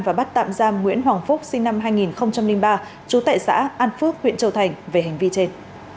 và bắt tạm giam nguyễn hoàng phúc sinh năm hai nghìn ba trú tại xã an phước huyện châu thành về hành vi trên